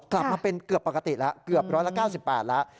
กลับมาเป็นเกือบปกติแล้วเกือบ๑๙๘แล้ว